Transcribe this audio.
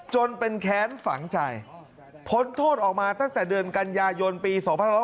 จนเป็นแค้นฝังใจพ้นโทษออกมาตั้งแต่เดือนกันยายนปี๒๕๖๐